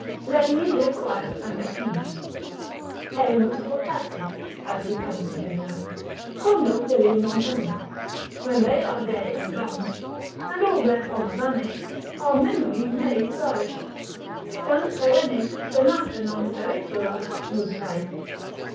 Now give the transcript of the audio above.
let me live quiet and at ease. Erimus fortasse (as he comforted himself) quando illi non erunt, when they are dead and gone, and all their pomp vanished, our memory may flourish: ———dant perennes Stemmata non peritura Musae.